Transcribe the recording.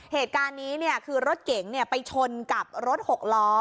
เหตุการณ์นี้เนี่ยคือรถเก๋งเนี่ยไปชนกับรถหกล้อ